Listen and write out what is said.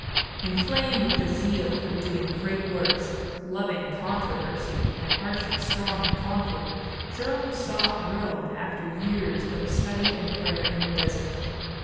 Inflamed with a zeal for doing great works, loving controversy and harsh and strong in conflict, Jerome sought Rome after years of study and prayer in the desert.